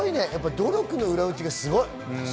努力の裏打ちがすごい。